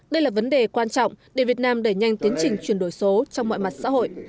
đây là vấn đề quan trọng để việt nam đẩy nhanh tiến trình chuyển đổi số trong mọi mặt xã hội